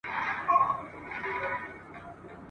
په هغه شپه یې د مرګ پر لور روان کړل !.